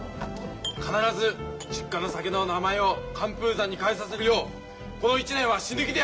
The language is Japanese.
必ず実家の酒の名前を寒風山に変えさせるようこの１年は死ぬ気でやります！